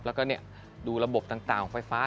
แล้วก็ดูระบบต่างของไฟฟ้า